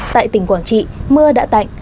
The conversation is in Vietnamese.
tại tỉnh quảng trị mưa đã tạnh